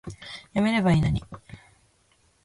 やめればいいのに